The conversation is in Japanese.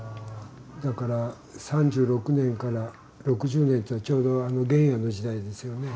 だから３６年から６０年というのはちょうど原野の時代ですよね。